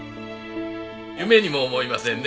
夢にも思いませんね